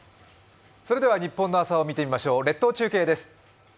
それではニッポンの朝を見てみましょう、列島中継です。